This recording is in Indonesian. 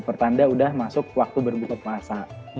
pertanda udah masuk waktu berbuka puasa